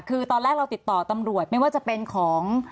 คือตอนแรกเราติดต่อตำรวจไม่ว่าจะเป็นของ